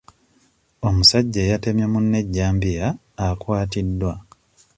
Omusajja eyatemye munne ejjambiya akwatiddwa.